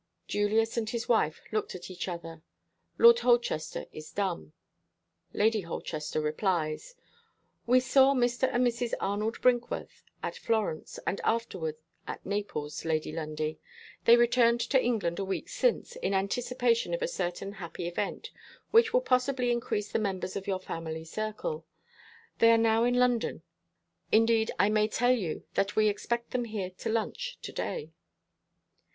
Julius and his wife looked at each other. Lord Holchester is dumb. Lady Holchester replies: "We saw Mr. and Mrs. Arnold Brinkworth at Florence, and afterward at Naples, Lady Lundie. They returned to England a week since, in anticipation of a certain happy event, which will possibly increase the members of your family circle. They are now in London. Indeed, I may tell you that we expect them here to lunch to day."